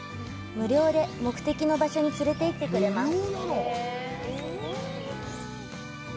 無料で目的の場所に連れて行ってくれます。